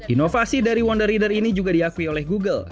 inovasi dari wonder reader ini juga diakui oleh google